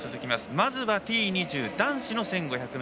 まずはＴ２０男子の１５００ｍ。